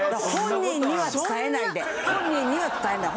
本人には伝えない。